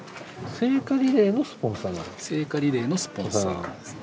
聖火リレーのスポンサーですね。